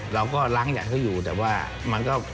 เราก็รังอย่างให้อยู่แต่ว่ามันก็